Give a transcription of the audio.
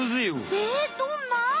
えどんな？